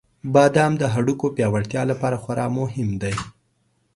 • بادام د هډوکو پیاوړتیا لپاره خورا مهم دی.